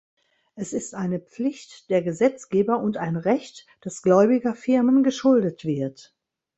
Es ist eine Pflicht der Gesetzgeber und ein Recht, dass Gläubigerfirmen geschuldet wird.